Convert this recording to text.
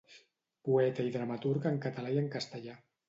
Poeta i dramaturg en català i en castellà.